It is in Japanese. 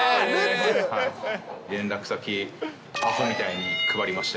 連絡先、あほみたいに配りました。